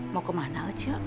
mau kemana aja